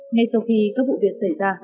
ngay sau khi các vụ việc xảy ra